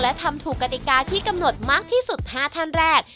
และทำถูกกติกาที่กำหนดมากที่สุด๕ท่านแรก